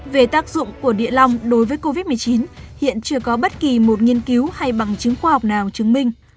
về tác dụng của địa long đối với covid một mươi chín hiện chưa có bất kỳ một nghiên cứu hay bằng chứng khoa học nào chứng minh